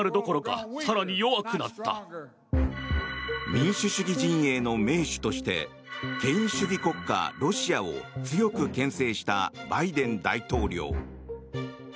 民主主義陣営の盟主として権威主義国家ロシアを強く牽制したバイデン大統領。